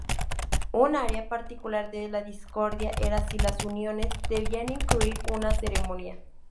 Un área particular de la discordia era si las uniones debían incluir una ceremonia.